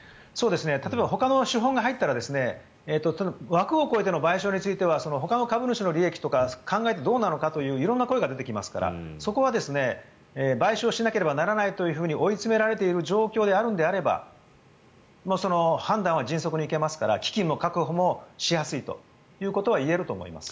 例えばほかの資本が入ったら枠を超えての賠償についてはほかの株主の利益とか考えてどうなのかという色んな声が出てきますからそこは賠償しなければならないというふうに追い詰められている状況であるのであれば判断は迅速に行けますから基金の確保もしやすいということは言えると思います。